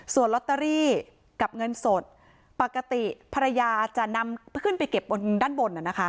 ส่วนลอตเตอรี่กับเงินสดปกติภรรยาจะนำขึ้นไปเก็บบนด้านบน